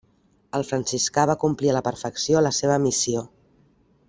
El franciscà va complir a la perfecció la seva missió.